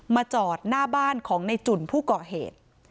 จอดหน้าบ้านของในจุ่นผู้ก่อเหตุ